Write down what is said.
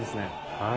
はい。